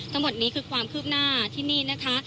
ทั้งหมดนี้คือความคืบหน้าที่นี่นะคะ